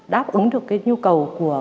đáp ứng được cái nhu cầu của người lao động